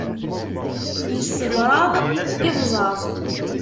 Yessebṛaḍ ibẓaẓ.